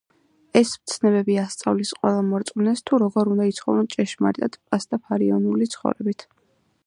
ეს მცნებები ასწავლის ყველა მორწმუნეს თუ როგორ უნდა იცხოვრონ ჭეშმარიტად პასტაფარიანული ცხოვრებით.